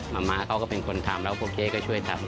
มาม้าเขาก็เป็นคนทำแล้วโอเคก็ช่วยทำ